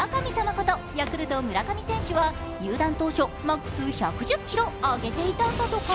ことヤクルト・村上選手は入団当初マックス１１０ｋｇ上げていたんだとか。